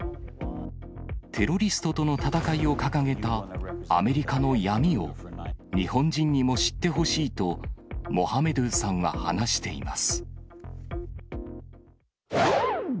テロリストとの戦いを掲げたアメリカの闇を、日本人にも知ってほしいと、モハメドゥさんは話しています。